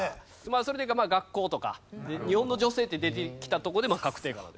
それで学校とか日本の女性って出てきたところで確定かなと。